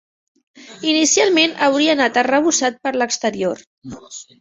Inicialment hauria anat arrebossat per l'exterior.